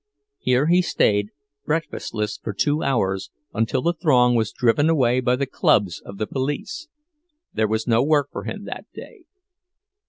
Here he stayed, breakfastless, for two hours, until the throng was driven away by the clubs of the police. There was no work for him that day.